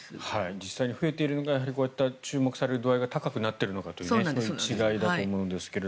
実際に増えているのか注目される度合いが高くなっているのかという違いだと思うんですが。